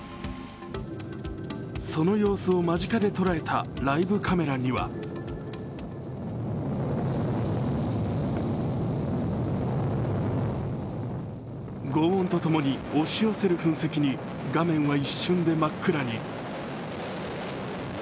その様子を間近で捉えたライブカメラにはごう音とともに押し寄せる噴石に画面は一瞬で真っ暗に。